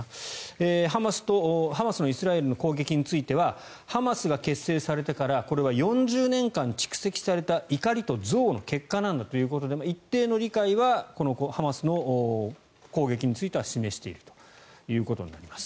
ハマスのイスラエルへの攻撃についてはハマスが結成されてからこれは４０年間蓄積された怒りと憎悪の結果なんだということで一定の理解はハマスの攻撃については示しているということになります。